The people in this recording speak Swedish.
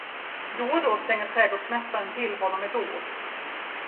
Då och då slänger trädgårdsmästaren till honom ett ord.